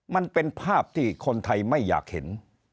มันเป็นภาพที่คนไทยไม่อยากเห็น